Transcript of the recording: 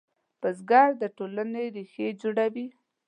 بزګر د ټولنې ریښې جوړوي